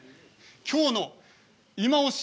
きょうのいまオシ！